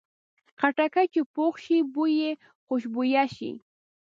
خټکی چې پوخ شي، بوی یې خوشبویه شي.